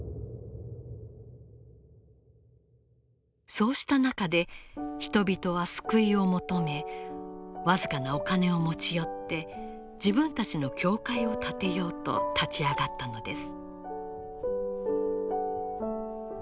そうした中で人々は救いを求め僅かなお金を持ち寄って自分たちの教会を建てようと立ち上がったのです。